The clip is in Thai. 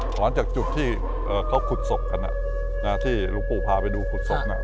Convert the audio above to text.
ถอนจากจุดที่เขาขุดศพกันที่หลวงปู่พาไปดูขุดศพน่ะ